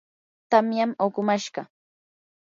tamyam uqumashqa.